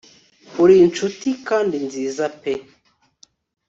uri inshuti kandi nziza pe